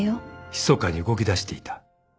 ［ひそかに動きだしていた］